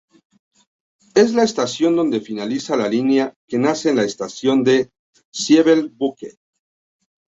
Es la estación donde finaliza la línea que nace en la estación de Ziegelbrücke.